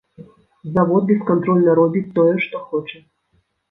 Завод бескантрольна робіць тое, што хоча.